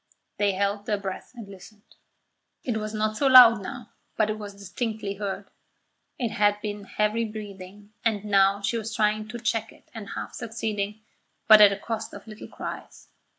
They held their breath and listened. It was not so loud now, but it was distinctly heard. It had been heavy breathing, and now she was trying to check it and half succeeding but at the cost of little cries.